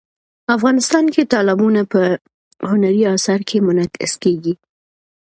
افغانستان کې تالابونه په هنري اثارو کې منعکس کېږي.